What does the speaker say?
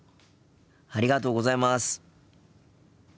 ありがとうございます！